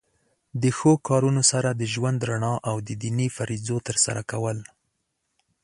د ښو کارونو سره د ژوند رڼا او د دینی فریضو تر سره کول.